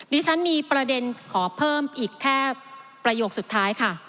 ดิฉันมีประเด็นขอเพิ่มอีกแค่ประโยคสุดท้ายค่ะ